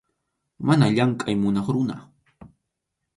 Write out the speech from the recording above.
Mana llamkʼay munaq runa.